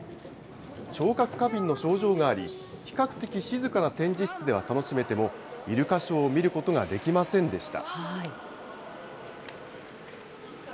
聴覚過敏の症状があり、比較的静かな展示室では楽しめても、イルカショーを見ることができませんでした。